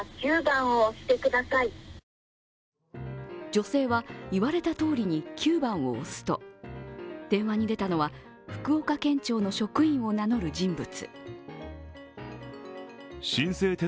女性は、言われたとおりに９番を押すと電話に出たのは福岡県庁の職員を名乗る人物。